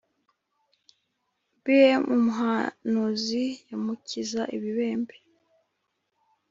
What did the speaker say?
Bm umuhanuzi yamukiza ibibembe